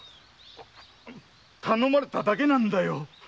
頼まれただけなんだ。